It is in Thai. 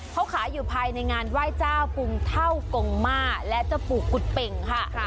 เขาขายอยู่ภายในงานไหว้เจ้ากรุงเท่ากงมาและเจ้าปู่กุฎเป่งค่ะ